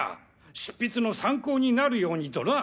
執筆の参考になるようにとな。